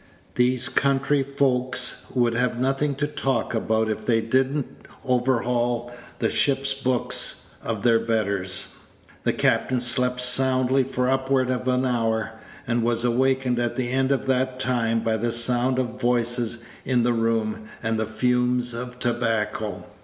These country folks would have nothing to talk about if they did n't overhaul the ship's books of their betters." The captain slept soundly for upward of an hour, and was awakened at the end of that time by the sound of voices in the room, and the fumes of tobacco.